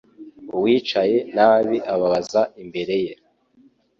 Uwicaye nabi ababaza imbere ye